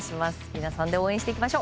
皆さんで応援していきましょう。